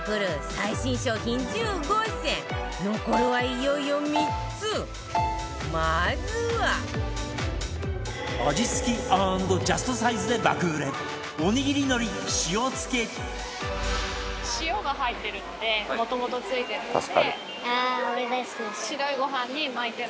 最新商品１５選残るは、いよいよ３つまずは味付き＆ジャストサイズで爆売れおにぎりのり塩付き女性：塩が入ってるのでもともと付いてるので。